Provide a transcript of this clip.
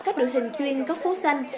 các đội hình chuyên góc phố xanh